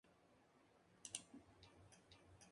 La producción de Sabor es extensa.